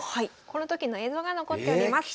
この時の映像が残っております。